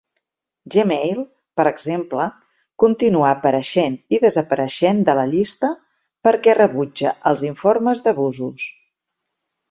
Gmail, per exemple, continua apareixent i desapareixent de la llista perquè rebutja els informes d'abusos.